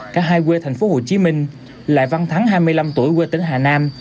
cả hai quê thành phố hồ chí minh lại văn thắng hai mươi năm tuổi quê tỉnh hà nam